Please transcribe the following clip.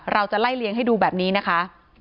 เราจะไล่เลี้ยงให้ดูแบบนี้นะคะ